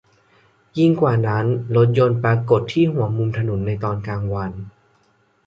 ยิ่งกว่านั้น รถยนต์ปรากฏที่หัวมุมถนนในตอนกลางวัน